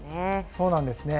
そうなんですね。